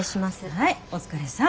はいお疲れさん。